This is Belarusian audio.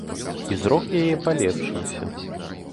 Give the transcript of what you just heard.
І зрок яе палепшыўся.